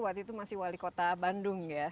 waktu itu masih wali kota bandung ya